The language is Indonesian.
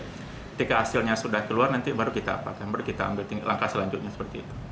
ketika hasilnya sudah keluar nanti baru kita september kita ambil langkah selanjutnya seperti itu